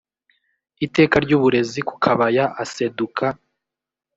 iteka ry uburezi ku kabaya aseduka